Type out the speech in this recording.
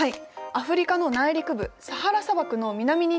アフリカの内陸部サハラ砂漠の南に位置しています。